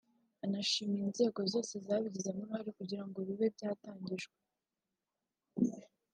anashimira inzego zose zabigizemo uruhare kugira ngo bibe byatangijwe